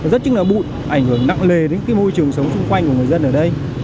rất chức là bụi ảnh hưởng nặng lề đến môi trường sống xung quanh của người dân ở đây